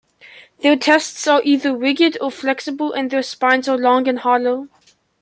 Their tests are either rigid or flexible and their spines are long and hollow.